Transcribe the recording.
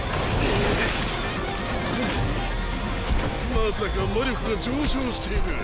まさか魔力が上昇している。